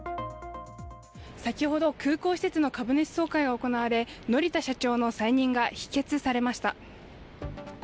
先ほど空港施設の株主総会が行われ、乗田社長の再任が否決されました。